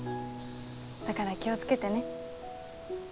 だから気を付けてね。